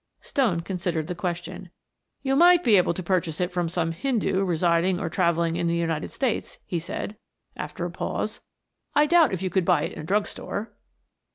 Stone considered the question. "You might be able to purchase it from some Hindoo residing or traveling in the United States," he said, after a pause. "I doubt if you could buy it in a drug store."